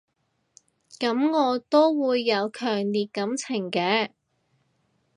噉我都會有強烈感情嘅